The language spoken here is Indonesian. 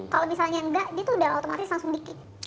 kalau misalnya enggak dia tuh udah otomatis langsung dikit